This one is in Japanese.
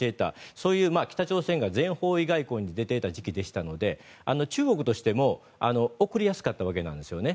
そういう北朝鮮が全方位外交に出ていた時期でしたので中国としても送りやすかったわけですね。